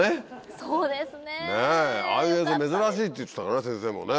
そうですね。ねぇ！ああいう映像は珍しいって言ってたね先生もね。